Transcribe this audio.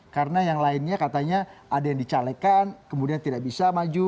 karena yang lainnya katanya ada yang dicalekan kemudian tidak bisa maju